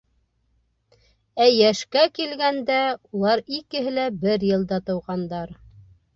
Ә йәшкә килгәндә, улар икеһе лә бер йылда тыуғандар.